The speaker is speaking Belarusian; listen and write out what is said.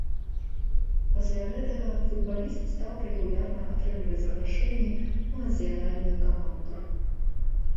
Пасля гэтага футбаліст стаў рэгулярна атрымліваць запрашэнні ў нацыянальную каманду.